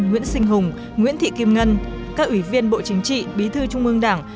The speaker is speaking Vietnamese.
nguyễn sinh hùng nguyễn thị kim ngân các ủy viên bộ chính trị bí thư trung ương đảng